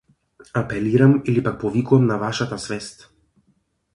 Апелирам или пак повикувам на вашата свест.